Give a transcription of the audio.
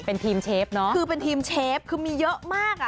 เป็นทีมเชฟเนอะคือเป็นทีมเชฟคือมีเยอะมากอ่ะ